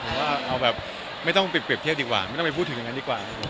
ผมว่าไม่ต้องไปเกรียบเทียบดีกว่าไม่ต้องไปพูดถึงอย่างนั้นดีกว่า